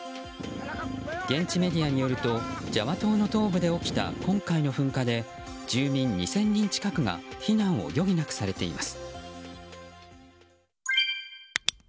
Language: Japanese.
現地メディアによるとジャワ島の東部で起きた今回の噴火で住民２０００人近くが避難を余儀なくされています。